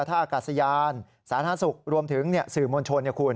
ท่าอากาศยานสาธารณสุขรวมถึงสื่อมวลชน